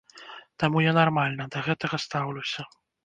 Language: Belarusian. Таму я нармальна да гэтага стаўлюся.